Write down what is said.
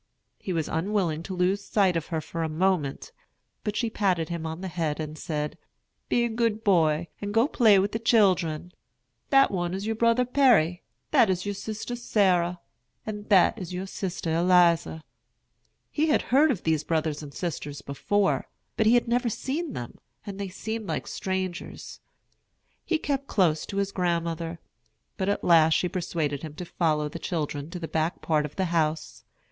He was unwilling to lose sight of her for a moment; but she patted him on the head, and said, "Be a good boy, and go and play with the children. That one is your brother Perry, that is your sister Sarah, and that is your sister Eliza." He had heard of these brothers and sisters before, but he had never seen them, and they seemed like strangers. He kept close to his grandmother; but at last she persuaded him to follow the children to the back part of the house.